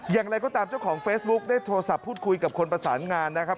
อย่างไรก็ตามเจ้าของเฟซบุ๊คได้โทรศัพท์พูดคุยกับคนประสานงานนะครับ